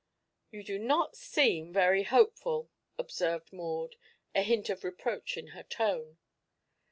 "You do not seem very hopeful," observed Maud, a hint of reproach in her tone.